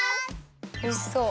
おいしそう。